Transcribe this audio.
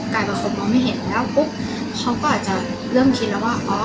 บางคนมองไม่เห็นแล้วปุ๊บเขาก็อาจจะเริ่มคิดแล้วว่าอ๋อ